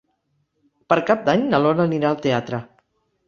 Per Cap d'Any na Lola anirà al teatre.